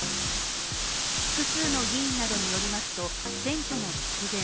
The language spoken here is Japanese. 複数の議員などによりますと選挙の直前